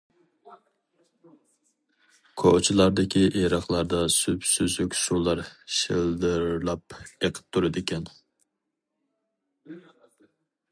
كوچىلاردىكى ئېرىقلاردا سۈپسۈزۈك سۇلار شىلدىرلاپ ئېقىپ تۇرىدىكەن.